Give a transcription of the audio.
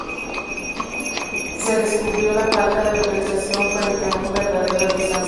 Se descubrió la falta de organización frente a un verdadero desastre.